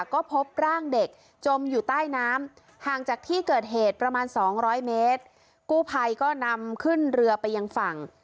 ก็พบร่างเด็กจมอยู่ใต้น้ำห่างจากที่เกิดเหตุประมาณสองร้อยเมตรกู้ภัยก็นำขึ้นเรือไปยังฝั่ง